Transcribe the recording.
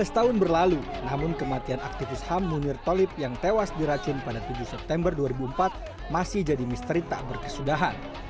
tiga belas tahun berlalu namun kematian aktivis ham munir tolib yang tewas diracun pada tujuh september dua ribu empat masih jadi misteri tak berkesudahan